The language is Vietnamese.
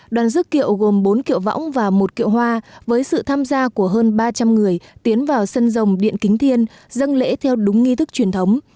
đoàn rước kiệu gồm bốn kiệu võng và một kiệu hoa với sự tham gia của hơn ba trăm linh người tiến vào sân rồng điện kính thiên dâng lễ theo đúng nghi thức truyền thống